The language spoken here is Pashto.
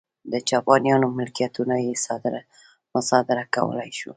د جاپانیانو ملکیتونه یې مصادره کولای شول.